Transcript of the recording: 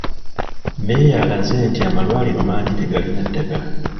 Meeya alaze nti amalwaliro mangi tegalina ddagala.